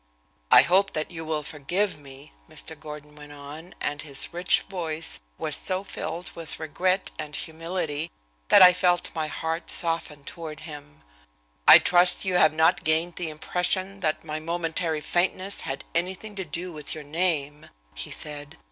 "I hope that you will forgive me," Mr. Gordon went on, and his rich voice was so filled with regret and humility that I felt my heart soften toward him. "I trust you have not gained the impression that my momentary faintness had anything to do with your name," he said.